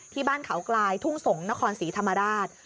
ที่บ้านเขากลายทุ่งสงศ์นครศรีธรรมราช